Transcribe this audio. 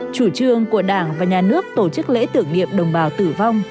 chủ trương của đảng và nhà nước tổ chức lễ tưởng niệm đồng bào tử vong